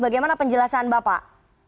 bagaimana penjelasan bapak